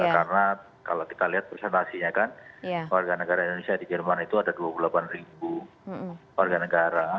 karena kalau kita lihat presentasinya kan warga negara indonesia di jerman itu ada dua puluh delapan warga negara